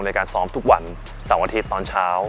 ในการซ้อมทุกวันเสาร์อาทิตย์ตอนเช้า